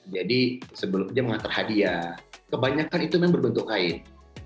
jadi sebelumnya menghantar hadiah kebanyakan itu berbentuk kain